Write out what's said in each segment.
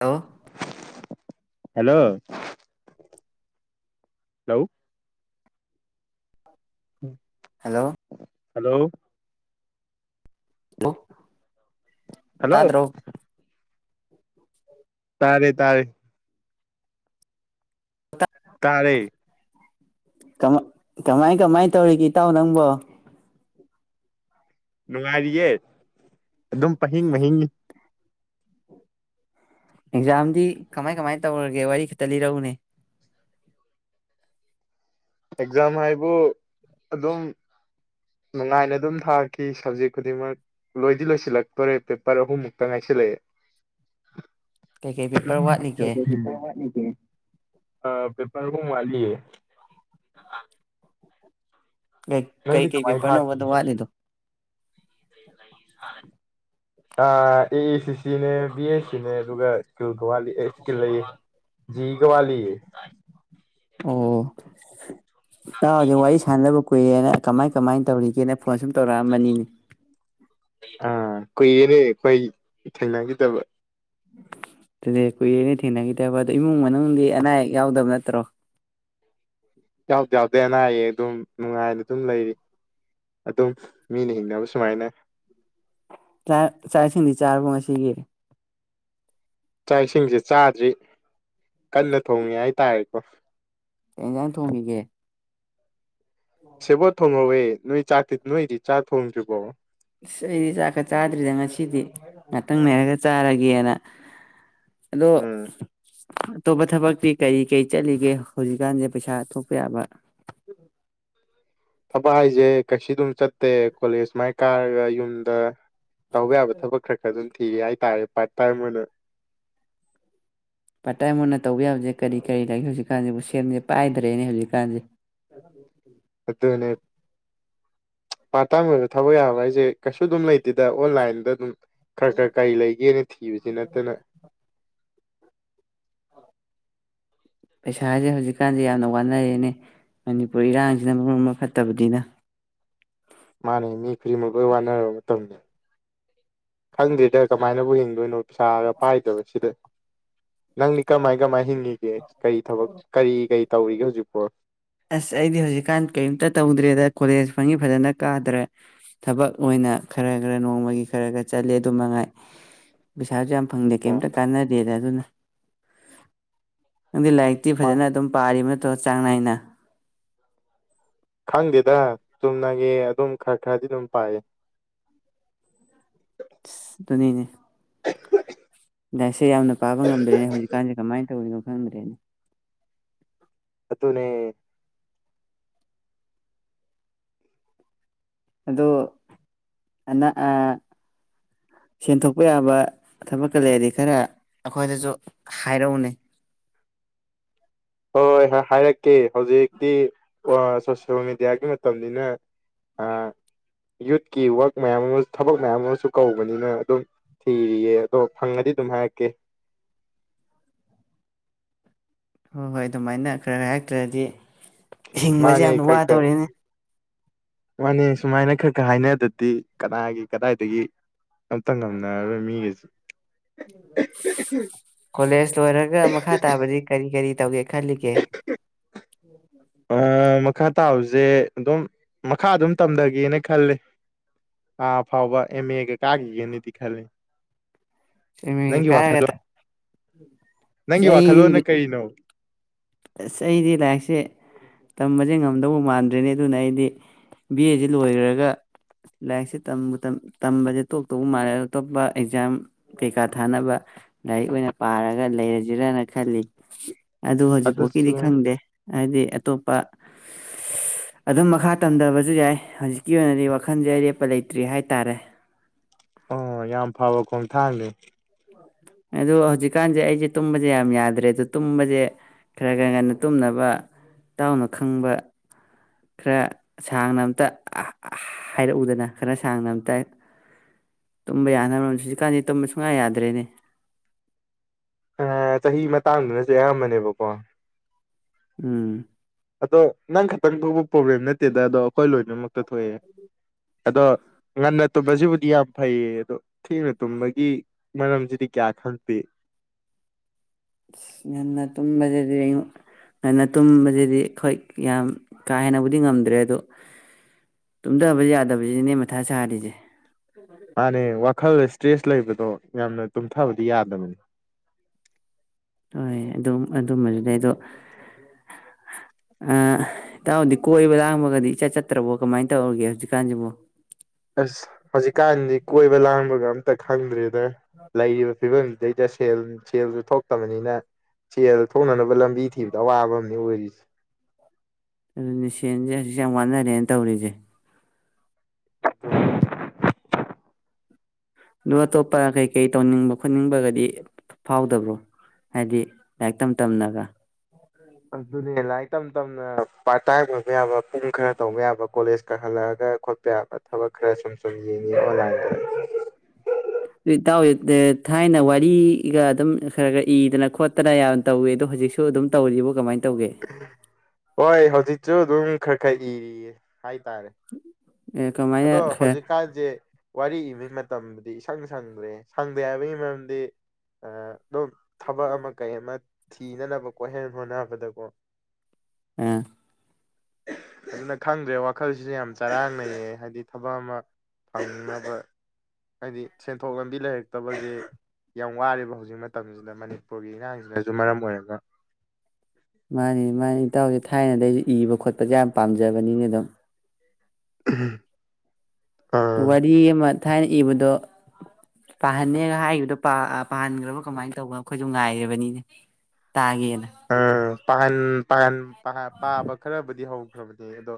Hello. Hello hello. Hello. Hello. ꯂꯣ hello ꯇꯥꯗ꯭ꯔꯣ? ꯇꯥꯔꯦ ꯇꯥꯔꯦ ꯇꯥꯔꯦ ꯀꯃꯥꯏ ꯀꯃꯥꯏ ꯇꯧꯔꯤꯒꯦ ꯏꯇꯥꯎ ꯅꯪꯕꯣ ꯅꯨꯡꯉꯥꯏꯔꯤꯌꯦ ꯑꯗꯨꯝ ꯄꯍꯤꯡ ꯃꯍꯤꯡꯉꯤ ꯑꯦꯛꯖꯥꯝꯗꯤ ꯀꯃꯥꯏ ꯀꯃꯥꯏ ꯇꯧꯔꯒꯦ ꯋꯥꯔꯤ ꯈꯛꯇ ꯂꯤꯔꯛꯎꯅꯦ ꯑꯦꯛꯖꯥꯝ ꯍꯥꯏꯕꯨ ꯑꯗꯨꯝ ꯅꯨꯡꯉꯥꯏꯅ ꯑꯗꯨꯝ ꯊꯥꯈꯤ ꯁꯞꯖꯦꯛ ꯈꯨꯗꯤꯡꯃꯛ ꯂꯣꯏꯗꯤ ꯂꯣꯏꯁꯤꯜꯂꯛꯇꯣꯔꯦ ꯄꯦꯄꯔ ꯑꯍꯨꯝꯃꯨꯛꯇ ꯉꯥꯏꯁꯤꯜꯂꯛꯑꯦ ꯀꯩꯀꯩ ꯄꯦꯄꯔ ꯋꯥꯠꯂꯤꯒꯦ [unintelligible] ꯑ ꯄꯦꯄꯔ ꯑꯍꯨꯝ ꯋꯥꯂꯤꯌꯦ [unintelligible] ꯀꯩ ꯅꯪꯗꯤ ꯀꯩ ꯀꯃꯥꯏꯅ ꯄꯦꯄꯔꯅꯣꯕꯗꯣ ꯋꯥꯠꯂꯤꯗꯣ [unintelligible] [unintelligible] [unintelligible] ꯑꯣ ꯇꯥꯎꯖꯦ ꯋꯥꯔꯤ ꯁꯥꯟꯗꯕ [unintelligible] ꯀꯨꯏꯔꯦꯅ ꯀꯃꯥꯏ ꯀꯃꯥꯏꯅ ꯇꯧꯔꯤꯒꯦꯅ ꯐꯣꯟ ꯁꯨꯝ ꯇꯧꯔꯛꯑꯝꯕꯅꯤꯅꯦ ꯑꯥ ꯀꯨꯏꯔꯦꯅꯦ ꯑꯩꯈꯣꯏ ꯊꯦꯡꯅꯈꯤꯗꯕ ꯑꯗꯨꯗꯤ ꯀꯨꯏꯔꯦꯅꯦ ꯊꯦꯡꯅꯈꯤꯗꯕ ꯑꯗꯣ ꯏꯃꯨꯡ ꯃꯅꯨꯡꯗꯤ ꯑꯅꯥ ꯑꯌꯦꯛ ꯌꯥꯎꯗꯕ ꯅꯠꯇ꯭ꯔꯣ ꯌꯥꯎꯗꯤ ꯌꯥꯎꯗꯦ ꯑꯅꯥ ꯑꯌꯦꯛ ꯑꯗꯨꯝ ꯅꯨꯡꯉꯥꯏꯅ ꯑꯗꯨꯝ ꯂꯩꯔꯤ ꯑꯗꯨꯝ ꯃꯤꯅ ꯍꯤꯡꯅꯕ ꯁꯨꯃꯥꯏꯅ ꯆꯥꯛ ꯏꯁꯤꯡꯗꯤ ꯆꯥꯔꯕ ꯉꯁꯤꯒꯤ ꯆꯥꯛ ꯏꯁꯤꯡꯁꯦ ꯆꯥꯗ꯭ꯔꯤ ꯀꯟꯅ ꯊꯣꯡꯉꯤ ꯍꯥꯏꯇꯥꯔꯦꯀꯣ ꯀꯩ ꯏꯟꯖꯥꯡ ꯊꯣꯡꯉꯤꯒꯦ ꯁꯤꯕꯣꯠ ꯊꯣꯡꯍꯧꯌꯦ ꯅꯣꯏ ꯆꯥꯛꯇꯤ ꯅꯣꯏꯗꯤ ꯆꯥ ꯊꯣꯡꯗ꯭ꯔꯤꯕꯣ ꯏꯁꯗꯤ ꯆꯥꯛꯀ ꯆꯥꯗ꯭ꯔꯤꯗ ꯉꯁꯤꯗꯤ ꯉꯥꯛꯇꯪ ꯅꯔꯒ ꯆꯥꯔꯒꯦꯅ ꯑꯗꯣ ꯎꯝ ꯑꯇꯣꯞꯄ ꯊꯕꯛꯇꯤ ꯀꯔꯤ ꯀꯔꯤ ꯆꯠꯂꯤꯒꯦ ꯍꯧꯖꯤꯛꯀꯥꯟꯁꯦ ꯄꯩꯁꯥ ꯊꯣꯛꯄ ꯌꯥꯕ ꯊꯕꯛ ꯍꯥꯏꯁꯦ ꯀꯩꯁꯨ ꯑꯗꯨꯝ ꯆꯠꯇꯦ ꯀꯣꯂꯦꯖ ꯁꯨꯃꯥꯏꯅ ꯀꯥꯔꯒ ꯌꯨꯝꯗ ꯇꯧꯕ ꯌꯥꯕ ꯊꯕꯛ ꯈꯔ ꯈꯔ ꯑꯗꯨ ꯊꯤꯒꯦ ꯍꯥꯏꯇꯥꯥꯔꯦ ꯄꯥꯔꯠ ꯇꯥꯏꯝ ꯑꯣꯏꯅ ꯄꯥꯠ ꯇꯥꯏ ꯑꯣꯏꯅ ꯇꯧꯕ ꯌꯥꯕꯁꯦ ꯀꯔꯤ ꯀꯔꯤ ꯂꯩꯒꯦ ꯍꯧꯖꯤꯛꯀꯥꯟꯁꯤꯕꯨ ꯁꯦꯝꯁꯦ ꯄꯥꯏꯗ꯭ꯔꯦꯅꯦ ꯍꯧꯖꯤꯛꯀꯥꯟꯁꯦ ꯑꯗꯨꯅꯦ ꯄꯥꯇꯥꯡ ꯑꯣꯏꯕ ꯊꯕꯛ ꯌꯥꯕ ꯍꯥꯏꯁꯦ ꯀꯩꯁꯨ ꯑꯗꯨꯝ ꯂꯩꯇꯦꯗ ꯑꯣꯟꯂꯥꯏꯟꯗ ꯑꯗꯨꯝ ꯈꯔ ꯈꯔ ꯀꯔꯤ ꯂꯩꯒꯦꯅ ꯊꯤꯕꯕꯁꯤ ꯅꯠꯇꯅ ꯄꯩꯁꯥꯁꯦ ꯍꯧꯖꯤꯛꯀꯥꯟꯁꯦ ꯌꯥꯝꯅ ꯋꯥꯅꯔꯦꯅꯦ ꯃꯅꯤꯄꯨꯔ ꯏꯔꯥꯡꯁꯤꯅ ꯃꯔꯣꯝ ꯑꯃ ꯐꯠꯇꯕꯅꯤꯅ ꯃꯥꯅꯤ ꯃꯤ ꯈꯨꯗꯤꯡꯃꯛ ꯂꯣꯏ ꯋꯥꯅꯔꯕ ꯃꯇꯝꯅꯤ ꯈꯪꯗ꯭ꯦꯗ ꯀꯃꯥꯏꯅꯕꯨ [unintelligible] ꯂꯣꯏꯅ ꯄꯩꯁꯥꯒ ꯄꯥꯏꯗꯕ ꯁꯤꯗ ꯅꯪꯗꯤ ꯀꯃꯥꯏ ꯀꯃꯥꯏ ꯍꯤꯡꯏ [unintelligible] ꯀꯔꯤ ꯊꯕꯛ ꯀꯔꯤ ꯀꯔꯤ ꯇꯧꯔꯤꯒꯦ ꯍꯧꯖꯤꯛ [unintelligible] ꯑꯁ ꯑꯩꯗꯤ ꯍꯧꯖꯤꯛꯀꯥꯟ ꯀꯔꯤꯝꯇ ꯇꯧꯗ꯭ꯔꯦꯗ ꯀꯣꯂꯦꯖ ꯐꯪꯉꯤ ꯐꯖꯅ ꯀꯥꯗ꯭ꯔꯦ ꯊꯕꯛ ꯑꯣꯏꯅ ꯈꯔ ꯈꯔ ꯅꯣꯡꯃꯒꯤ ꯈꯔ ꯈꯔ ꯆꯠꯂꯦ ꯑꯗꯨ ꯃꯉꯥꯏ ꯄꯩꯁꯥꯁꯨ ꯌꯥꯝ ꯐꯪꯗꯦ ꯀ꯭ꯌꯝꯇ ꯑꯣ ꯀꯥꯟꯅꯗꯦꯗ ꯑꯗꯨꯅ꯫ ꯅꯪꯗꯤ ꯂꯥꯏꯔꯤꯛꯇꯤ ꯐꯖꯅ ꯑꯗꯨꯝ ꯄꯥꯔꯤꯕ ꯗꯣ ꯆꯥꯡ ꯅꯥꯏꯅ ꯈꯪꯗꯦꯗ ꯆꯨꯝꯅꯒꯤ ꯑꯗꯨꯝ ꯈꯔ ꯈꯔꯗꯤ ꯑꯗꯨꯝ ꯄꯥꯏꯌꯦ꯫ [unintelligible] ꯗꯨꯅꯤꯅꯦ꯫ [unintelligible] ꯑꯦ ꯌꯥꯝꯅ ꯄꯥꯕ ꯉꯝꯗ꯭ꯔꯦꯅꯦ ꯍꯧꯖꯤꯛꯀꯥꯟꯁꯦ ꯀꯃꯥꯏꯅ ꯇꯧꯔꯤꯅꯣ ꯈꯪꯗꯦꯅꯦ ꯑꯗꯨꯅꯦ ꯑꯗꯨ ꯑ ꯁꯦꯟꯊꯣꯛꯄ ꯌꯥꯕ ꯊꯕꯛꯀ ꯂꯩꯔꯗꯤ ꯈꯔ ꯑꯩꯈꯣꯏꯗꯁꯨ ꯍꯥꯏꯔꯛꯎꯅꯦ ꯍꯣꯏ ꯍꯣꯏ ꯍꯥꯏꯔꯛ ꯀꯦ ꯍꯧꯖꯤꯛꯇꯤ ꯑ ꯁꯣꯁꯦꯜ ꯃꯦ ꯃꯦꯗꯤꯌꯥꯒꯤ ꯃꯇꯝꯅꯤꯅ ꯌꯨꯠꯀꯤ ꯋꯥꯛ ꯃꯌꯥꯝ ꯑꯃꯁ ꯊꯕꯛ ꯃꯌꯥꯝ ꯑꯃꯁꯨ ꯀꯧꯕꯅꯤꯅ ꯑꯗꯨꯝ ꯊꯤꯔꯤꯌꯦ ꯑꯗꯣ ꯐꯪꯉꯗꯤ ꯑꯗꯨꯝ ꯍꯥꯏꯔꯛꯀꯦ ꯍꯣꯏ ꯍꯣꯏ ꯑꯗꯨꯃꯥꯏꯅ ꯈꯔ ꯈꯔ ꯍꯥꯏꯔꯛꯇ꯭ꯔꯗꯤ ꯍꯤꯡꯕꯁꯦ ꯃꯥꯅꯦ ꯌꯥꯝꯅ ꯈꯔ ꯈꯔ ꯋꯥꯗꯣꯔꯦꯅꯦ ꯃꯥꯅꯦ ꯁꯨꯃꯥꯏꯅ ꯈꯔ ꯈꯔ ꯍꯥꯏꯅꯗꯗꯤ ꯀꯅꯥꯒꯤ ꯀꯗꯥꯏꯗꯒꯤ ꯑꯝꯇ ꯉꯝꯅꯔꯔꯣꯏ ꯃꯤꯒꯩꯁꯤ ꯀꯣꯂꯦꯖ ꯂꯣꯏꯔꯒ ꯃꯈꯥ ꯇꯥꯕꯗꯤ ꯀꯔꯤ ꯀꯔꯤ ꯇꯧꯒꯦ ꯈꯜꯂꯤꯒꯦ [inaudible] ꯃꯈꯥ ꯇꯥꯕꯁꯦ ꯑꯗꯨꯝ ꯃꯈꯥ ꯑꯗꯨꯝ ꯇꯝꯗꯒꯦꯅ ꯈꯜꯂꯦ ꯑꯥ ꯐꯥꯎꯕ ꯑꯦꯝꯃꯦꯒ ꯀꯥꯈꯤꯒꯦꯅꯗꯤ ꯈꯜꯂꯤ ꯑꯦꯝꯃꯦꯒ ꯅꯪꯒꯤ ꯀꯔꯒ ꯋꯥꯈꯜꯂꯣꯟ ꯅꯪꯒꯤ ꯋꯥꯈꯜꯂꯣꯟꯅ ꯀꯔꯤꯅꯣ ꯑꯁ ꯑꯩꯗꯤ ꯂꯥꯏꯔꯤꯛꯁꯦ ꯇꯝꯕꯁꯦ ꯉꯝꯗꯧꯕ ꯃꯥꯟꯗ꯭ꯔꯦꯅꯦ ꯑꯗꯨꯅ ꯑꯩꯗꯤ ꯕꯤ ꯑꯦꯁꯤ ꯂꯣꯏꯔꯒ ꯂꯥꯏꯔꯤꯛꯁꯦ ꯇꯝꯕꯨ ꯇꯝꯕꯁꯦ ꯇꯣꯛ ꯇꯧ ꯃꯥꯜꯂꯦ ꯑꯇꯣꯞꯄ ꯑꯦꯛꯖꯥꯝ ꯀꯩꯀꯥ ꯊꯥꯅꯕ ꯂꯥꯏꯔꯤꯛ ꯑꯣꯏꯅ ꯄꯥꯔꯒ ꯂꯩꯔꯁꯤꯔꯅ ꯈꯜꯂꯤ ꯑꯗꯨ ꯑꯗꯨꯁꯨ ꯄꯣꯛꯀꯤꯗꯤ ꯈꯪꯗꯦ ꯍꯥꯏꯗꯤ ꯑꯇꯣꯞꯄ ꯑꯗꯨꯝ ꯃꯈꯥ ꯇꯝꯗꯕꯁꯨ ꯌꯥꯏ ꯍꯧꯖꯤꯛꯀꯤ ꯑꯣꯏꯅꯗꯤ ꯋꯥꯈꯟꯁꯦ ꯑꯔꯦꯞꯄ ꯂꯩꯇ꯭ꯔꯤ ꯍꯥꯏꯇꯥꯔꯦ ꯑꯣ ꯌꯥꯝ ꯐꯕ ꯈꯣꯡ ꯊꯥꯡꯅꯤ ꯑꯗꯣ ꯍꯧꯖꯤꯛꯀꯥꯟꯁꯦ ꯑꯩꯁꯦ ꯇꯨꯝꯕꯁꯦ ꯌꯥꯝ ꯌꯥꯗ꯭ꯔꯦ ꯑꯗꯣ ꯇꯨꯝꯕꯁꯦ ꯈꯔ ꯈꯔ ꯉꯟꯅ ꯇꯨꯝꯅꯕ ꯏꯇꯥꯎꯅ ꯈꯪꯕ ꯈꯔ ꯁꯥꯡꯅ ꯑꯝꯇ ꯍꯥꯏꯔꯛꯎꯗꯅ ꯈꯔ ꯁꯥꯡꯅ ꯑꯝꯇ ꯇꯨꯝꯕ ꯌꯥꯅꯕ ꯍꯧꯖꯤꯛꯀꯥꯟꯁꯦ ꯇꯨꯝꯕ ꯁꯨꯡꯌꯥ ꯌꯥꯗꯦ ꯗꯔ꯭ꯦꯅꯦ ꯑꯥ ꯆꯍꯤ ꯃꯇꯥꯡꯗꯨꯅꯁꯨ ꯑꯌꯥꯝꯕꯅꯦꯕꯀꯣ ꯎꯝ ꯑꯗꯣ ꯅꯪ ꯈꯛꯇꯅ ꯊꯣꯛꯄ ꯄ꯭ꯔꯣꯕ꯭ꯂꯦꯝ ꯅꯠꯇꯦꯗ ꯑꯗꯣ ꯑꯩꯈꯣꯏ ꯂꯣꯏ ꯅꯃꯛꯇ ꯊꯣꯛꯑꯦ ꯑꯗꯣ ꯉꯟꯅ ꯇꯨꯝꯕꯁꯤꯕꯨꯗꯤ ꯌꯥꯝ ꯐꯩꯌꯦ ꯑꯗꯣ ꯊꯦꯡꯅ ꯇꯨꯝꯕꯒꯤ ꯃꯔꯝꯁꯤꯗꯤ ꯀꯌꯥ ꯈꯪꯗꯦ ꯑꯁ ꯉꯟꯅ ꯇꯨꯝꯕꯁꯤꯗꯤ ꯉꯟꯅ ꯇꯨꯝꯕꯁꯤꯗꯤ ꯑꯈꯣꯏ ꯌꯥꯝ ꯀꯥ ꯍꯦꯟꯅꯕꯨꯗꯤ ꯉꯝꯗ꯭ꯔꯦ ꯑꯗꯣ ꯇꯨꯝꯗꯕ ꯌꯥꯗꯕꯁꯤꯅꯦ ꯃꯊꯥ ꯁꯥꯔꯤꯁꯦ ꯃꯥꯅꯦ ꯋꯥꯈꯜ ꯏꯁꯇ꯭ꯔꯦꯁ ꯂꯩꯕꯗꯣ ꯌꯥꯝꯅ ꯇꯨꯝꯊꯕꯗꯤ ꯌꯥꯗꯕꯅꯤ ꯍꯣꯏ ꯑꯗꯨꯝ ꯑꯗꯨꯝꯃꯁꯨ ꯂꯩ ꯑꯗꯣ ꯏꯇꯥꯎꯗꯤ ꯀꯣꯏꯕ ꯂꯥꯡꯕꯒꯗꯤ ꯏꯆꯠ ꯆꯠꯇ꯭ꯔꯕꯣ ꯀꯃꯥꯏꯅ ꯇꯧꯔꯒꯦ ꯍꯧꯖꯤꯛꯀꯥꯟꯁꯤꯕꯣ ꯑꯁ ꯍꯧꯖꯤꯛꯀꯥꯟꯗꯤ ꯀꯣꯏꯕ ꯂꯥꯟꯕꯒ ꯈꯪꯗ꯭ꯔꯦ [unintelligible] ꯂꯩꯌꯦ ꯐꯤꯕꯝꯗꯨꯗꯩꯗ ꯁꯦꯜ ꯁꯦꯜꯁꯨ ꯊꯣꯛꯇꯕꯅꯤꯅ ꯁꯦꯜ ꯊꯣꯛꯅꯅꯕ ꯂꯝꯕꯤ ꯊꯤꯕꯗ ꯑꯋꯥꯕ ꯑꯝꯅꯦ ꯑꯣꯏꯔꯤꯁꯦ ꯑꯗꯨꯅꯦ ꯁꯦꯟꯁꯦ ꯍꯧꯖꯤꯛ ꯌꯥꯝ ꯋꯥꯅꯔꯦꯅ ꯇꯧꯔꯤꯁꯦ ꯑ ꯑꯇꯣꯞꯄ ꯀꯩꯀꯩ ꯇꯧꯅꯤꯡꯕ ꯈꯣꯠꯅꯤꯡꯕꯒꯗꯤ ꯐꯥꯎꯗꯕ꯭ꯔꯣ ꯍꯥꯏꯗꯤ ꯂꯥꯏꯔꯤꯛ ꯇꯝ ꯇꯝꯅꯒ ꯑꯗꯨꯅꯦ ꯂꯥꯏꯔꯤꯛ ꯇꯝ ꯇꯝꯅ ꯄꯥꯠ ꯇꯥꯏꯝ ꯑꯣꯏꯕ ꯌꯥꯕ ꯄꯨꯡ ꯈꯔ ꯇꯧꯕ ꯌꯥꯕ ꯀꯣꯂꯦꯁꯀ ꯍꯜꯂꯛꯑꯒ ꯈꯣꯠꯄ ꯌꯥꯕ ꯊꯕꯛ ꯈꯔ ꯁꯨꯝ ꯁꯨꯝ ꯌꯦꯡ ꯑꯣꯂꯥꯏꯟ ꯑꯗꯨ ꯏꯇꯥꯎ ꯊꯥꯏꯅ ꯋꯥꯔꯤꯒ ꯑꯗꯨꯝ ꯈꯔ ꯈꯔ ꯏꯗꯅ ꯈꯣꯠꯇꯅ ꯌꯥꯝ ꯇꯧꯋꯤ ꯑꯗꯣ ꯍꯧꯖꯤꯛꯁꯨ ꯑꯗꯨꯝ ꯇꯧꯔꯤꯕ ꯀꯃꯥꯏꯅ ꯇꯧꯒꯦ ꯍꯣꯏ ꯍꯧꯖꯤꯛꯁꯨ ꯑꯗꯨꯝ ꯈꯔ ꯈꯔ ꯏꯔꯤꯌꯦ ꯍꯥꯏꯇꯥꯔꯦ ꯑꯦ ꯑꯗꯣ ꯀꯃꯥꯏꯅ ꯈꯔ ꯍꯧꯖꯤꯛꯀꯥꯟꯁꯦ ꯋꯥꯔꯤ ꯏꯕ ꯇꯝꯕꯗꯤ ꯏꯁꯪ ꯁꯪꯗ꯭ꯔꯦ ꯁꯪꯗꯦ ꯍꯥꯏꯕꯒꯤ ꯃꯔꯝꯗꯤ ꯑ ꯑ ꯊꯕꯛ ꯑꯃ ꯀꯩ ꯑꯃ ꯊꯤꯅꯅꯕꯀꯣ ꯍꯦꯟꯅ ꯍꯣꯠꯅꯕꯗꯀꯣ ꯑ ꯑꯗꯨꯅ ꯈꯪꯗ꯭ꯔꯦ ꯋꯥꯈꯜꯁꯤꯁꯨ ꯌꯥꯝ ꯆꯔꯥꯡꯅꯩꯌꯦ ꯍꯥꯏꯕꯗꯤ ꯊꯕꯛ ꯑꯃ ꯐꯪꯅꯕ ꯍꯥꯏꯗꯤ ꯁꯦꯟꯊꯣꯛ ꯂꯝꯕꯤ ꯂꯩꯔꯛꯇꯕꯁꯦ ꯌꯥꯝ ꯋꯥꯔꯦꯕ ꯍꯧꯖꯤꯛ ꯃꯇꯝꯁꯤꯗ ꯃꯅꯤꯄꯨꯔꯒꯤ ꯏꯔꯥꯡꯁꯤꯅꯁꯨ ꯃꯔꯝ ꯑꯣꯏꯔꯒ ꯃꯥꯅꯦ ꯃꯥꯅꯤ ꯏꯇꯥꯎꯁꯦ ꯊꯥꯏꯅꯗꯩꯁꯦ ꯏꯕ ꯈꯣꯠꯄꯁꯦ ꯌꯥꯝ ꯄꯥꯝꯖꯕꯅꯤꯅꯦ ꯑꯗꯨꯝ ꯎꯝ ꯋꯥꯔꯤꯔꯤ ꯑꯃ ꯊꯥꯏꯅ ꯏꯕꯗꯣ ꯄꯥꯍꯟꯅꯦꯒ ꯍꯥꯏꯈꯤꯕꯗꯣ ꯄꯥꯍꯟꯈ꯭ꯔꯕ ꯀꯃꯥꯏꯅ ꯇꯧꯕꯅꯣ ꯑꯩꯈꯣꯏꯁꯨ ꯉꯥꯏꯔꯕꯅꯤꯅ ꯇꯥꯒꯦꯅ ꯑꯥ ꯄꯥꯍꯟ ꯄꯥꯍꯟ ꯄꯥꯕ ꯈꯔꯕꯨꯗꯤ ꯍꯧ ꯈꯕ ꯑꯗꯣ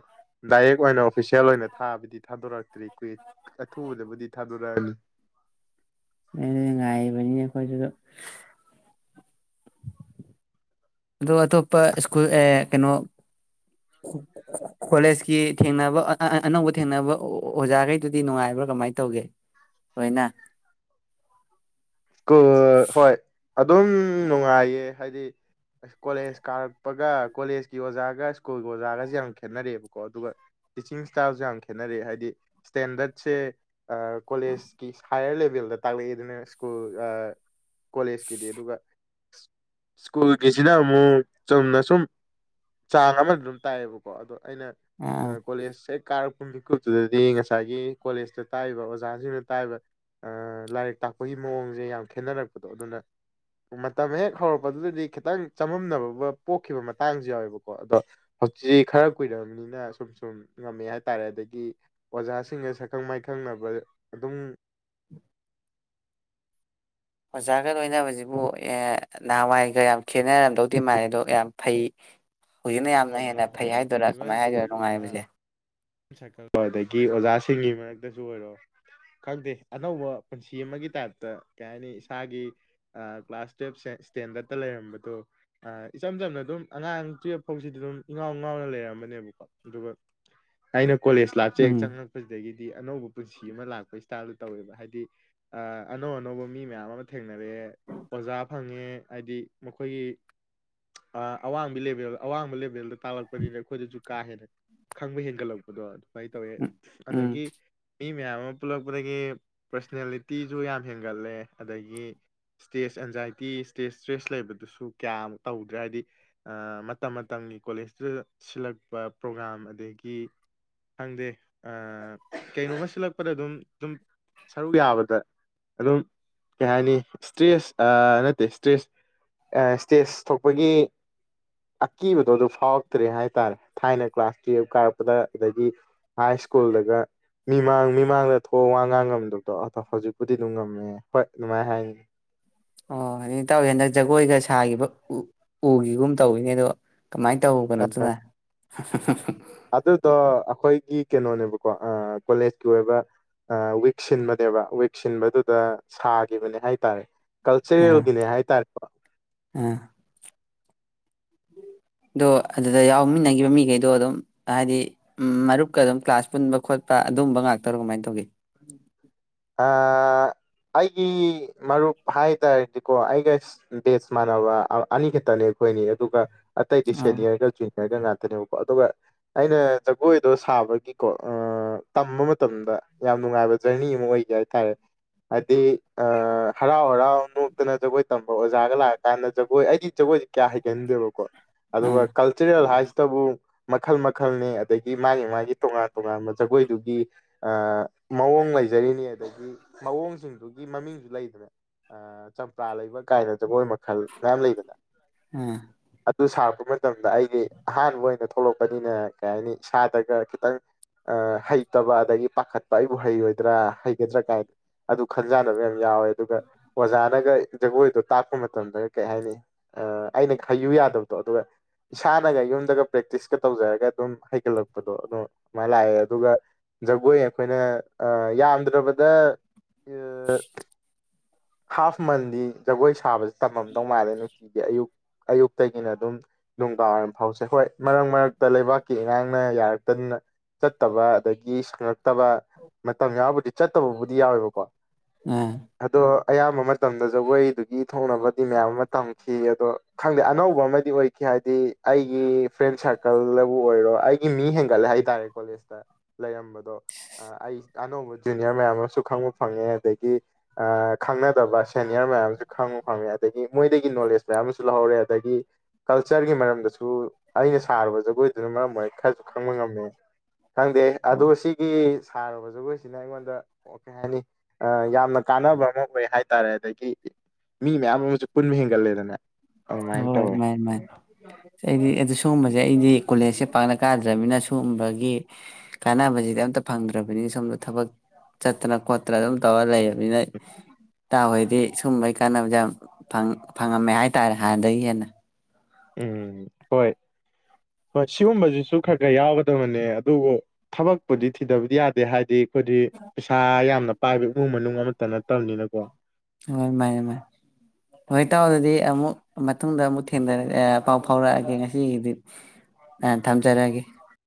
ꯗꯥꯏꯔꯦꯛ ꯑꯣꯏꯅ ꯑꯣꯐꯤꯁꯦꯜ ꯑꯣꯏꯅ ꯊꯥꯕꯗꯤ ꯊꯥꯗꯣꯔꯛꯇ꯭ꯔꯤ ꯀꯨꯋ ꯑꯊꯨꯕꯗꯕꯨꯗꯤ ꯊꯥꯗꯣꯔꯛꯑꯅꯤ ꯑ ꯉꯥꯏꯕꯅꯤꯅꯦꯈꯣꯏꯁꯨꯗ ꯑꯣ ꯑꯇꯣꯞꯄ ꯁ꯭ꯀꯨꯜ ꯀꯩꯅꯣ ꯀꯣꯂꯦꯖꯀꯤ ꯊꯦꯡꯅꯕ ꯑꯅꯧꯕ ꯊꯦꯡꯅꯕ ꯑꯣꯖꯥꯈꯩꯗꯨꯗꯤ ꯅꯨꯡꯉꯥꯏꯕ꯭ꯔꯥ ꯀꯃꯥꯏꯅ ꯇꯧꯒꯦ ꯂꯣꯏꯅ ꯑ ꯍꯣꯏ ꯑ ꯗꯨꯝ ꯅꯨꯡꯉꯥꯏꯌꯦ ꯍꯥꯏꯗꯤ ꯀꯣꯂꯦꯁ ꯀꯥꯔꯛꯄꯒ ꯀꯣꯂꯦꯁꯀꯤ ꯑꯣꯖꯥꯒ ꯁ꯭ꯀꯨꯜꯒꯤ ꯑꯣꯖꯥꯒꯖꯦ ꯌꯥꯝ ꯈꯦꯠꯅꯔꯦꯕꯀꯣ ꯑꯗꯨꯒ ꯇꯤꯆꯤꯡ ꯏꯁꯇꯥꯏꯜꯖꯨ ꯌꯥꯝ ꯈꯦꯠꯅꯔꯦ ꯍꯥꯏꯗꯤ ꯏꯁꯇꯦꯟꯗꯠꯁꯦ ꯑ ꯀꯣꯂꯦꯖꯀꯤ ꯍꯥꯌꯌꯔ ꯂꯦꯚꯦꯜꯗ ꯇꯥꯛꯂꯛꯏ ꯑꯗꯨꯅ ꯁ꯭ꯀꯨꯜ ꯀꯣꯂꯦꯖꯀꯤꯗꯤ ꯑꯗꯨꯒ ꯁ꯭ꯀꯨꯜꯒꯤꯁꯤꯅ ꯑꯃꯨꯛ ꯆꯨꯝꯅ ꯁꯨꯝ ꯆꯥꯡ ꯑꯃꯗ ꯑꯗꯨꯝ ꯇꯥꯏꯌꯦꯕꯀꯣ ꯑꯗꯣ ꯑꯩꯅ ꯑ ꯀꯣꯂꯦꯖ ꯍꯦꯛ ꯀꯥꯔꯛꯄ ꯃꯤꯀꯨꯞꯇꯨꯗꯗꯤ ꯉꯁꯥꯏꯒꯤ ꯀꯣꯂꯦꯖꯇ ꯇꯥꯛꯕ ꯑꯣꯖꯥꯁꯤꯡꯅ ꯇꯥꯛꯏꯕ ꯂꯥꯏꯔꯤꯛ ꯇꯥꯛ ꯑꯩꯈꯣꯏꯒꯤ ꯃꯑꯣꯡꯁꯦ ꯌꯥꯝ ꯈꯦꯠꯅꯔꯛꯄꯗꯣ ꯑꯗꯨꯅ ꯃꯇꯝ ꯍꯦꯛ ꯍꯧꯔꯛꯄꯗꯨꯗꯗꯤ ꯈꯤꯇꯪ ꯆꯃꯝꯅꯕ ꯄꯣꯛꯈꯤꯕ ꯃꯇꯥꯡꯁꯨ ꯌꯥꯎꯋꯦꯕꯀꯣ ꯑꯗꯣ ꯍꯧꯖꯤꯛ ꯈꯔ ꯀꯨꯏꯔꯕꯔꯕꯅꯤꯅ ꯁꯨꯝ ꯁꯨꯝ ꯉꯝꯃꯦ ꯍꯥꯏꯇꯥꯔꯦ ꯑꯗꯒꯤ ꯑꯣꯖꯥꯁꯤꯡꯒ ꯁꯛꯈꯪ ꯃꯥꯏꯈꯪꯅꯕ ꯑꯗꯨꯝ ꯑꯣꯖꯥꯒ ꯂꯣꯏꯅꯕꯁꯤꯕꯨ ꯅꯍꯥꯟꯋꯥꯏꯒ ꯌꯥꯝ ꯈꯦꯠꯅꯔꯝꯗꯧꯗꯤ ꯃꯥꯥꯟꯜꯂꯤ ꯑꯗꯣ ꯌꯥꯝ ꯐꯩ ꯍꯧꯖꯤꯛ ꯃꯌꯥꯝꯅ ꯍꯦꯟꯅ ꯃꯌꯥꯝ ꯐꯩ ꯇꯥꯔꯦ ꯍꯥꯏꯗꯣꯏꯔꯥ ꯀꯃꯥꯏꯅ ꯍꯥꯏꯗꯣꯏꯔꯥ ꯅꯨꯡꯉꯥꯏꯔꯤꯕꯁꯦ ꯁꯀꯜꯣ ꯑꯗꯒꯤ ꯑꯣꯖꯥꯁꯤꯡꯒꯤ ꯃꯔꯛꯇꯁꯨ ꯑꯣꯏꯔꯣ ꯈꯪꯗꯦ ꯑꯅꯧꯕ ꯄꯨꯟꯁꯤ ꯑꯃꯒꯤ ꯇꯥꯏꯞꯇ ꯀꯩ ꯍꯥꯏꯅꯤ ꯏꯁꯥꯒꯤ ꯀ꯭ꯂꯥꯁ ꯇꯨꯋꯜꯞ ꯇꯦꯟꯗꯇ ꯂꯩꯔꯝꯕꯗꯣ ꯏꯆꯝ ꯆꯝꯅ ꯑꯗꯨꯝ ꯑꯉꯥꯡ ꯇꯨꯌꯦꯜꯐ ꯐꯥꯎꯁꯤꯗꯤ ꯑꯗꯨꯝ ꯏꯉꯥꯎ ꯉꯥꯎꯅ ꯂꯩꯔꯝꯕꯅꯦꯕꯀꯣ ꯑꯗꯨꯒ ꯑꯩꯅ ꯀꯣꯂꯦꯖ ꯂꯥꯏꯐꯁꯦ ꯍꯦꯛ ꯎꯝ ꯆꯪꯉꯛꯄꯁꯤꯗꯒꯤ ꯍꯥꯏꯗꯤ ꯑꯅꯧꯕ ꯄꯨꯟꯁꯤ ꯑꯃ ꯂꯥꯛꯄ ꯏꯁꯇꯥꯏꯜꯗ ꯇꯧꯋꯦꯕ ꯍꯥꯏꯗꯤ ꯑ ꯑꯅꯧ ꯑꯅꯧꯕ ꯃꯤ ꯃꯌꯥꯝ ꯑꯃ ꯊꯦꯡꯅꯔꯛꯑꯦ ꯑꯣꯖꯥ ꯐꯪꯉꯦ ꯍꯥꯏꯗꯤ ꯃꯈꯣꯏꯒꯤ ꯑꯋꯥꯡꯕꯤ ꯂꯦꯕꯦꯜ ꯑꯋꯥꯡꯕ ꯂꯦꯕꯦꯜꯗ ꯄꯜꯛꯄꯅꯤ ꯑꯩꯣꯏ ꯀꯥ ꯍꯦꯟꯅ ꯈꯪꯕ ꯍꯦꯟꯒꯠꯂꯛ ꯐꯨꯗꯣꯠ ꯁꯃꯥꯏ ꯇꯧꯋꯦ ꯎꯝ ꯑꯗꯒꯤ ꯃꯤ ꯃꯌꯥꯝ ꯑꯃ ꯄꯨꯜꯂꯛꯄꯗꯒꯤ ꯄꯔꯁꯅꯦꯂꯤꯇꯤꯁꯨ ꯌꯥꯝ ꯍꯦꯟꯒꯠꯂꯦ ꯑꯗꯒꯤ ꯏꯁꯇꯦꯖ ꯑꯦꯟꯖꯥꯏꯇꯤ ꯏꯁꯇꯦꯖ ꯏꯁꯇ꯭ꯔꯦꯁ ꯂꯩꯕꯗꯨꯁꯨ ꯀꯌꯥꯃꯨꯛ ꯇꯧꯗ꯭ꯔꯦ ꯍꯥꯏꯗꯤ ꯃꯇꯝ ꯃꯇꯝꯒꯤ ꯀꯣꯂꯦꯖꯇꯨꯗ ꯁꯤꯜꯂꯛꯄ ꯄ꯭ꯔꯣꯒ꯭ꯔꯥꯝ ꯑꯗꯒꯤ ꯈꯪꯗꯦ ꯀꯩꯅꯣꯝꯃ ꯁꯤꯜꯂꯛꯄꯗ ꯑꯗꯨꯝ ꯑꯗꯨꯝ ꯁꯔꯨꯛ ꯌꯥꯕꯗ ꯑꯗꯨꯝ ꯀꯩ ꯍꯥꯏꯅꯤ ꯏꯁꯇ꯭ꯔꯦꯁ ꯅꯠꯇꯦ ꯏꯁꯇ꯭ꯔꯦꯁ ꯏꯁꯇꯦꯁ ꯊꯣꯛꯄꯒꯤ ꯑꯀꯤꯕꯗꯣ ꯑꯗꯨ ꯐꯥꯎꯔꯛꯇ꯭ꯔꯦ ꯍꯥꯏꯇꯥꯔꯦ ꯊꯥꯏꯅ ꯀ꯭ꯂꯥꯁ ꯀꯥꯔꯛꯄꯗ ꯑꯗꯒꯤ ꯍꯥꯏ ꯁ꯭ꯀꯨꯜꯗꯒ ꯃꯤꯃꯥꯡ ꯃꯤꯃꯥꯡꯗ ꯊꯣꯛꯑ ꯋꯥ ꯉꯥꯡ ꯉꯝꯗꯕꯗꯣ ꯑꯗꯣ ꯍꯧꯖꯤꯛꯄꯨꯗꯤ ꯑꯗꯨꯝ ꯉꯝꯃꯦ ꯍꯣꯏ ꯑꯗꯨꯃꯥꯏꯅ ꯍꯥꯏꯅꯤ ꯑꯣ ꯑꯗꯨ ꯇꯧꯋꯦ ꯍꯟꯗꯛ ꯖꯒꯣꯏꯒ ꯁꯥꯈꯤꯕ ꯎ ꯎꯒꯤꯒꯨꯝ ꯇꯧꯋꯅꯦ ꯑꯗꯣ ꯀꯃꯥꯏꯅ ꯇꯧ ꯀꯩꯅꯣꯗꯨꯅ ꯒꯤ ꯀꯩꯅꯣꯅꯦꯕꯀꯣ ꯀꯣꯂꯦꯖꯀꯤ ꯑꯣꯏꯕ ꯋꯤꯛ ꯁꯤꯟꯕꯅꯦꯕ ꯋꯤꯛ ꯁꯤꯟꯕꯗꯨꯗ ꯁꯥꯈꯤꯕꯅꯦ ꯍꯥꯏꯇꯥꯔꯦ ꯑꯥ ꯀꯜꯆꯔꯦꯜꯒꯤꯅꯦ ꯍꯥꯏꯇꯥꯔꯦꯀꯣ ꯑꯥ ꯑꯗꯣ ꯑꯗꯨꯗ ꯌꯥꯎꯃꯤꯟꯅꯈꯤꯕ ꯃꯤꯈꯩꯗꯣ ꯑꯗꯨꯝ ꯍꯥꯏꯗꯤ ꯃꯔꯨꯞꯀ ꯑꯗꯨꯝ ꯀ꯭ꯂꯥꯁ ꯄꯨꯟꯕ ꯈꯣꯠꯄ ꯑꯗꯨꯝꯕ ꯉꯥꯛꯇꯔꯣ ꯀꯃꯥꯏꯅ ꯇꯧꯒꯦ ꯑꯩꯒꯤ ꯃꯔꯨꯞ ꯍꯥꯏ ꯇꯥꯔꯗꯤꯀꯣ ꯑꯩꯒ ꯕꯦꯁ ꯃꯥꯟꯅꯕ ꯑꯅꯤ ꯈꯛꯇꯅꯦ ꯑꯩꯈꯣꯏꯅꯤ ꯑꯗꯨꯒ ꯑꯇꯩꯗꯤ ꯑꯣ ꯁꯦꯅꯤꯌꯔꯒ ꯖꯨꯅꯤꯌꯔꯒ ꯉꯥꯛꯇꯅꯦꯕꯀꯣ ꯑꯗꯨꯒ ꯑꯩꯅ ꯖꯒꯣꯏꯗꯣ ꯁꯥꯕꯒꯤꯀꯣ ꯇꯝꯕ ꯃꯇꯝꯗ ꯌꯥꯝ ꯅꯨꯡꯉꯥꯏꯕ ꯖꯔꯅꯤ ꯑꯃ ꯑꯣꯏ ꯍꯥꯏꯇꯥꯔꯦ ꯍꯥꯏꯗꯤ ꯍꯔꯥꯎ ꯍꯔꯥꯎ ꯅꯣꯛꯇꯅ ꯖꯒꯣꯏ ꯇꯝꯕ ꯑꯣꯖꯥꯒ ꯂꯥꯛꯑꯀꯥꯟꯗ ꯖꯒꯣꯏ ꯑꯩꯗꯤ ꯖꯒꯣꯏꯁꯦ ꯀꯌꯥ ꯍꯒꯟꯗꯦꯕꯀ ꯑꯥ ꯑꯗꯨꯒ ꯀꯜꯆꯔꯦꯜ ꯍꯥꯏ ꯇꯕꯨ ꯃꯈꯜ ꯃꯈꯜꯅꯤ ꯑꯗꯒꯤ ꯃꯥꯒꯤ ꯃꯥꯒꯤ ꯇꯣꯉꯥꯟ ꯇꯣꯉꯥꯟꯕ ꯖꯒꯣꯏꯗꯨꯒꯤ ꯑ ꯃꯑꯣꯡ ꯂꯩꯖꯔꯤꯅꯤ ꯑꯗꯒꯤ ꯃꯑꯣꯡꯁꯤꯡꯗꯨꯒꯤ ꯃꯃꯤꯡꯁꯨ ꯂꯩꯗꯅ ꯆꯝꯄ꯭ꯔꯥ ꯂꯩꯕ ꯀꯥꯏꯅ ꯖꯒꯣꯏ ꯃꯈꯜ ꯃꯌꯥꯝ ꯂꯩꯕꯗ ꯑꯥ ꯑꯗꯨ ꯁꯥꯔꯛꯄ ꯃꯇꯝꯗ ꯑꯩꯒꯤ ꯑꯍꯥꯟꯕ ꯑꯣꯏꯅ ꯊꯣꯛꯂꯛꯄꯅꯤꯅꯦ ꯀꯩ ꯍꯥꯏꯅꯤ ꯏꯁꯥꯗꯒ ꯈꯤꯇꯪ ꯍꯩꯇꯕ ꯑꯗꯒꯤ ꯄꯥꯈꯠꯄ ꯑꯩꯕꯨ ꯍꯩꯔꯣꯏꯗ꯭ꯔꯥ ꯒꯗ꯭ꯔꯥ ꯀꯥꯏꯗ ꯑꯗꯨ ꯈꯟꯖꯥꯟꯅꯕ ꯌꯥꯝ ꯌꯥꯎꯋꯦ ꯑꯗꯨꯒ ꯑꯣꯖꯥꯅꯒ ꯖꯒꯣꯏꯗꯣ ꯇꯥꯛꯄ ꯃꯇꯝꯗ ꯀꯩ ꯍꯥꯏꯅꯤ ꯑꯩꯅ ꯍꯩꯌꯨ ꯌꯥꯗꯕꯗꯣ ꯑꯗꯨꯒ ꯏꯁꯥꯅꯒ ꯌꯨꯝꯗꯒ ꯄ꯭ꯔꯦꯛꯇꯤꯁꯀ ꯇꯧꯖꯔꯒ ꯑꯗꯨꯝ ꯍꯩꯒꯠꯂꯛꯄꯗꯣ ꯑꯗꯨꯣ ꯑꯗꯨꯥꯏꯅ ꯂꯥꯛꯑꯦ ꯑꯗꯨꯒ ꯖꯒꯣꯏ ꯑꯩꯈꯣꯏꯅ ꯌꯥꯝꯗ꯭ꯔꯕ ꯗ ꯑ ꯍꯥꯐ ꯃꯟꯗꯤ ꯖꯒꯣꯏ ꯁꯥꯕꯁꯦ ꯇꯝꯃꯝꯗꯧ ꯃꯥꯜꯂꯦ ꯅꯨꯡꯇꯤꯒꯤ ꯑꯌꯨꯛ ꯑꯌꯨꯛꯇꯒꯤꯅ ꯑꯗꯨꯝ ꯅꯨꯡꯗꯥꯡꯋꯥꯏꯔꯝ ꯐꯥꯎꯁꯦ ꯍꯣꯏ ꯃꯔꯛ ꯃꯔꯛꯇ ꯂꯩꯕꯥꯛꯀꯤ ꯏꯔꯥꯡꯅ ꯌꯥꯔꯛ ꯇꯟꯅ ꯆꯠꯇꯕ ꯑꯗꯒꯤ ꯒꯤ ꯁꯉꯛꯇꯕ ꯃꯇꯝ ꯌꯥꯎꯕꯨꯗꯤ ꯆꯠꯇꯕꯕꯨꯗꯤ ꯌꯥꯎꯋꯦꯕꯀꯣ ꯑꯥ ꯑꯗꯣ ꯑꯌꯥꯝꯕ ꯃꯇꯝꯗ ꯖꯒꯣꯏꯗꯨꯒꯤ ꯊꯣꯛꯅꯕꯗꯤ ꯃꯌꯥꯝ ꯑꯃ ꯇꯝꯈꯤ ꯑꯗꯣ ꯈꯪꯗꯦ ꯑꯅꯧꯕ ꯑꯃꯗꯤ ꯑꯣꯏꯈꯤ ꯍꯥꯏꯗꯤ ꯑꯩꯒꯤ ꯐ꯭ꯔꯦꯟ ꯁꯥꯔꯀꯜꯗꯕꯨ ꯑꯣꯏꯔꯣ ꯑꯩꯒꯤ ꯃꯤ ꯍꯦꯟꯒꯠꯂꯦ ꯍꯥꯏꯇꯥꯔꯦ ꯀꯣꯂꯦꯖꯇ ꯂꯩꯔꯝꯕꯗꯣ ꯑꯩ ꯑꯅꯧꯕ ꯖꯨꯅꯤꯌꯔ ꯃꯌꯥꯝ ꯑꯃꯁꯨ ꯈꯪꯕ ꯐꯪꯉꯦ ꯑꯗꯒꯤ ꯈꯪꯅꯗꯕ ꯁꯦꯅꯤꯌꯔ ꯃꯌꯥꯝꯁꯨ ꯈꯪꯉꯨ ꯐꯪꯉꯦ ꯑꯗꯒꯤ ꯃꯣꯏꯗꯒꯤ ꯅꯣꯂꯦꯁ ꯃꯌꯥꯝ ꯑꯃꯁꯨ ꯂꯩꯍꯧꯔꯦ ꯇꯗꯒꯤ ꯀꯜꯆꯔꯒꯤ ꯃꯔꯝꯗꯁꯨ ꯑꯩꯅ ꯁꯥꯔꯨꯕ ꯖꯒꯣꯏꯗꯨꯅ ꯃꯔꯝ ꯑꯣꯏꯔ ꯈꯔꯁꯨ ꯈꯪꯕ ꯉꯝꯃꯦ ꯈꯪꯗꯦ ꯑꯗꯣ ꯁꯤꯒꯤ ꯁꯥꯔꯨꯕ ꯖꯒꯣꯏ ꯁꯤꯅ ꯑꯩꯉꯣꯟꯗ ꯑꯣ ꯀꯩꯍꯥꯏꯅꯤ ꯑ ꯌꯥꯝꯅ ꯀꯥꯟꯅꯕ ꯑꯃ ꯍꯥꯏꯇꯥꯔꯦ ꯑꯗꯒꯤ ꯃꯤ ꯃꯌꯥꯝ ꯑꯃꯁꯨ ꯄꯨꯟꯕ ꯍꯦꯟꯒꯠꯂꯦꯗꯅ ꯑꯗꯨꯃꯥꯏꯟ ꯍꯣꯏ ꯇꯧꯋꯦ ꯃꯥꯅꯤ ꯗꯩ ꯑꯩꯗꯤ ꯀꯣꯂꯦꯖꯁꯦ ꯄꯥꯛꯅ ꯀꯥꯗ꯭ꯔꯝꯤꯅ ꯁꯨꯝꯕꯒꯤ ꯀꯥꯟꯅꯕꯁꯤꯗ ꯑꯝꯇ ꯐꯪꯗ꯭ꯔꯕꯅꯤꯅ ꯁꯣꯝꯗ ꯊꯕꯛ ꯆꯠꯇꯅ ꯈꯣꯠꯇꯅ ꯑꯗꯨꯝ ꯇꯧꯔ ꯂꯩꯔꯝꯤꯅ ꯏꯇꯥꯑꯣ ꯍꯣꯏꯗꯤ ꯁꯨꯝꯕꯩ ꯀꯥꯟꯅꯕꯁꯦ ꯐꯪ ꯐꯪꯉꯝꯃꯦ ꯍꯥꯏꯇꯥꯔꯦ ꯍꯥꯟꯅꯗꯒꯤ ꯍꯦꯟꯅ ꯎꯝ ꯍꯣꯏ ꯍꯣꯏ ꯁꯤꯒꯨꯝꯕꯁꯤꯁꯨ ꯈꯔ ꯈꯔ ꯌꯥꯎꯒꯗꯕꯅꯦ ꯑꯗꯨꯕꯨ ꯊꯕꯛꯄꯨꯗꯤ ꯊꯤꯗꯕꯗꯤ ꯌꯥꯗꯦ ꯍꯥꯏꯗꯤ ꯕꯗꯤ ꯄꯩꯁꯥ ꯌꯥꯝꯅ ꯄꯥꯏꯕ ꯏꯃꯨꯡ ꯃꯅꯨꯡ ꯑꯃꯠꯇ ꯅꯠꯇꯝꯅꯤꯅꯀꯣ ꯍꯣꯏ ꯃꯥꯅꯤ ꯃꯥꯅꯤ ꯍꯣꯏ ꯏꯇꯥꯎ ꯑꯗꯨꯗꯤ ꯑꯃꯨꯛ ꯃꯇꯨꯡꯗ ꯑꯃꯨꯛ ꯊꯦꯡꯔ ꯑ ꯄꯥꯎ ꯐꯥꯎꯔꯛꯑꯒꯦ ꯉꯁꯤꯒꯤꯗꯤ ꯑ ꯊꯝꯖꯔꯒꯦ